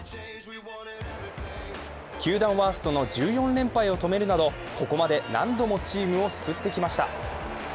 球団ワーストの１４連敗を止めるなど、ここまで何度もチームを救ってきました。